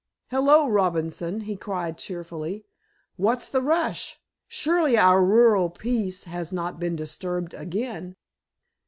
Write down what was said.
"Hello, Robinson!" he cried cheerfully. "What's the rush? Surely our rural peace has not been disturbed again?"